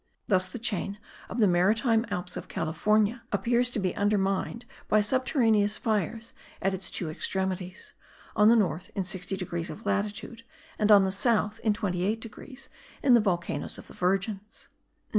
Thus the chain of the maritime Alps of California appears to be undermined by subterraneous fires at its two extremities; on the north in 60 degrees of latitude, and on the south, in 28 degrees, in the volcanoes of the Virgins.